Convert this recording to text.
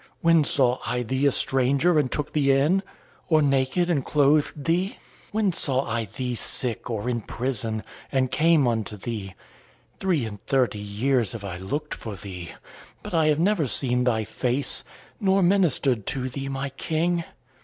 When saw I thee a stranger, and took thee in? Or naked, and clothed thee? When saw I thee sick or in prison, and came unto thee? Three and thirty years have I looked for thee; but I have never seen thy face, nor ministered to thee, my King."